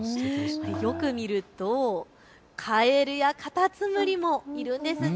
よく見るとカエルやカタツムリもいるんですね。